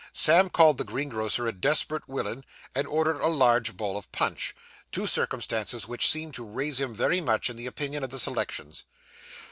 Sam called the greengrocer a 'desp'rate willin,' and ordered a large bowl of punch two circumstances which seemed to raise him very much in the opinion of the selections.